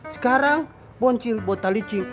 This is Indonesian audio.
sekarang boncil botalicin